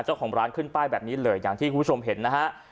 เจ้าของร้านขึ้นป้ายแบบนี้เลยอย่างที่คุณผู้ชมเห็นนะฮะ